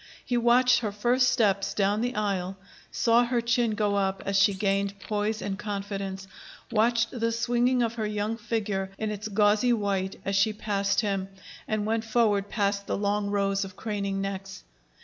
He watched her first steps down the aisle, saw her chin go up as she gained poise and confidence, watched the swinging of her young figure in its gauzy white as she passed him and went forward past the long rows of craning necks.